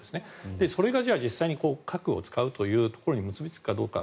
それが実際に核を使うというところに結びつくかどうか。